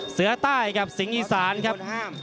เสือใต้กับสิงห์อีสานครับ